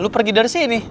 lo pergi dari sini